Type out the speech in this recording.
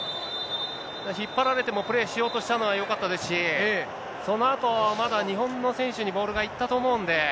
引っ張られてもプレーしようとしたのはよかったですし、そのあと、まだ日本の選手にボールが行ったと思うんで。